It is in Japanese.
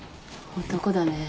男だね。